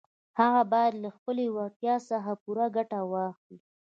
هغه بايد له خپلې وړتيا څخه پوره ګټه واخلي.